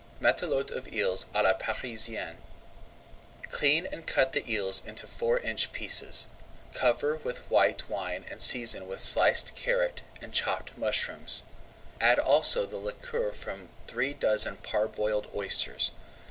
MATELOTE OF EELS À LA PARISIENNE Clean and cut the eels into four inch pieces. Cover with white wine and season with sliced carrot and chopped mushrooms. Add also the liquor from three dozen parboiled oysters.